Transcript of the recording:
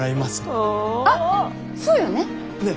あっそうよね。